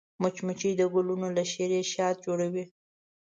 مچمچۍ د ګلونو له شيرې شات جوړوي